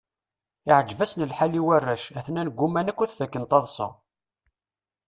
Iɛǧeb-asen lḥal i warrac, atnan gguman akk ad fakken taḍsa.